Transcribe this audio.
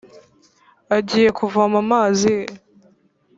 ajyiye kuvoma amazi ye